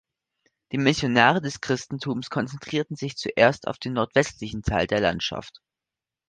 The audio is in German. Die Missionare des Christentums konzentrierten sich zuerst auf den nordwestlichen Teil der Landschaft.